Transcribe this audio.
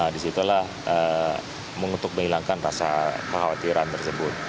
disitulah mengutuk menghilangkan rasa kekhawatiran tersebut